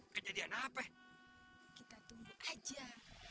kejadian apa kita tunggu aja